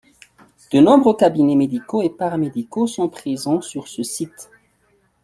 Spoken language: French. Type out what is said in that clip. De nombreux cabinets médicaux et paramédicaux sont présents sur ce site.